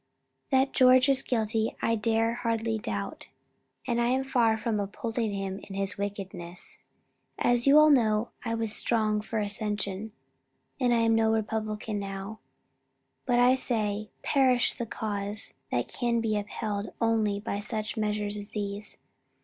"That George is guilty, I dare hardly doubt, and I am far from upholding him in his wickedness. As you all know, I was strong for accession, and am no Republican now, but I say perish the cause that can be upheld only by such measures as these.